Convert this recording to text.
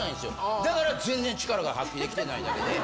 だから全然力が発揮できていないだけで。